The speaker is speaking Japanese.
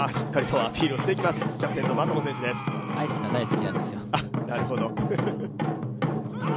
アイスが大好きなんですよ。